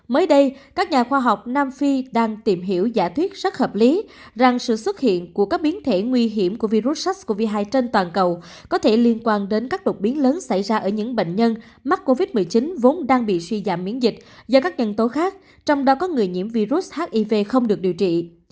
mới đây các nhà khoa học nam phi đang tìm hiểu giả thuyết rất hợp lý rằng sự xuất hiện của các biến thể nguy hiểm của virus sars cov hai trên toàn cầu có thể liên quan đến các đột biến lớn xảy ra ở những bệnh nhân mắc covid một mươi chín vốn đang bị suy giảm miễn dịch do các nhân tố khác trong đó có người nhiễm virus hiv không được điều trị